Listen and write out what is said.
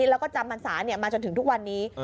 แล้วก็จำพรรษามาจนถึงทุกวันนี้